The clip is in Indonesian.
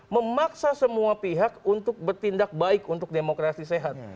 memaksa semua pihak untuk bertindak baik untuk demokrasi sehat